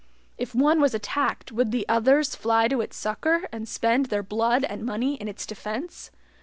If one was attacked, would the others fly to its succor, and spend their blood and money in its defense?